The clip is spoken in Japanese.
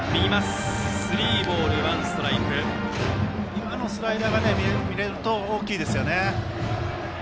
今のスライダーが見れると大きいですね。